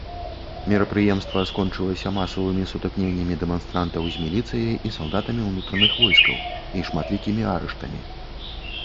Мерапрыемства скончылася масавымі сутыкненнямі дэманстрантаў з міліцыяй і салдатамі ўнутраных войскаў і шматлікімі арыштамі.